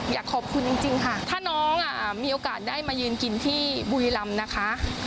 อยากขอบคุณจริงค่ะถ้าน้องมีโอกาสได้มายืนกินที่บุรีรำนะคะ